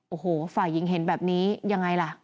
โอ้โหฝ่ายหญิงเห็นแบบนี้ยังไงล่ะ